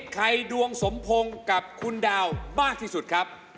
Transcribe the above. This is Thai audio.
ดวงสมพงศ์กับคุณดาวมากที่สุดครับ